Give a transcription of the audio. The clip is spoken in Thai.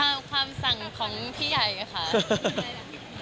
ตามความสั่งของพี่ใหญ่นะคะ